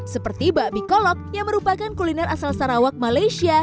seperti bakmi kolok yang merupakan kuliner asal sarawak malaysia